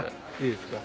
いいですか？